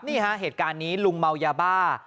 นี่ฮะเหตุการณ์นี้ลุงเมายาบ้า